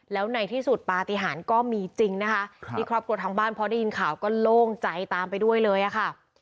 แล้วในที่สุดปฏิหารก็มีจริงนะคะที่ครอบครัวทางบ้านพอได้ยินข่าวก็โล่งใจตามไปด้วยเลยอะค่ะ